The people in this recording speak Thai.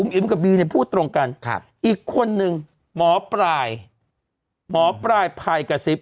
อุ้มอิ๋มกับบีในพูดตรงกันครับอีกคนหนึ่งหมอปลายหมอปลายพายกระซิบ